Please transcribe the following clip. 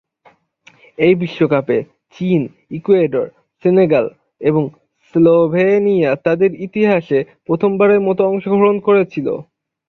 এই বিশ্বকাপে চীন, ইকুয়েডর, সেনেগাল এবং স্লোভেনিয়া তাদের ইতিহাসে প্রথমবারের মতো অংশগ্রহণ করেছিল।